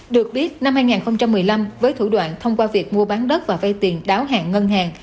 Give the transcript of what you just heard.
được biết năm hai nghìn một mươi năm với thủ đoạn thông qua việc mua bán đất và vay tiền đáo hạn ngân hàng